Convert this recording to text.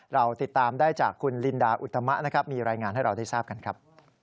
เราติดตามได้จากคุณลินดาอุตมะนะครับมีรายงานให้เราได้ทราบกันครับ